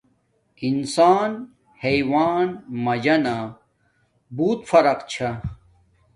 انسان حیوان مجانا بوت فرق چھا